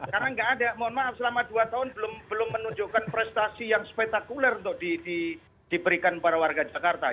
karena nggak ada mohon maaf selama dua tahun belum menunjukkan prestasi yang spektakuler untuk diberikan para warga jakarta